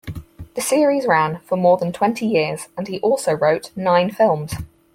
The series ran for more than twenty years, and he also wrote nine films.